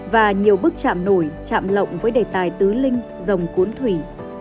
và nhiều bức chạm nổi chạm lộng với đề tài tứ linh dòng cuốn thủy